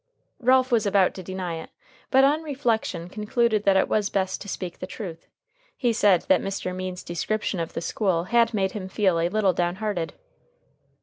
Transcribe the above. Ralph was about to deny it, but on reflection concluded that it was best to speak the truth. He said that Mr. Means's description of the school had made him feel a little down hearted.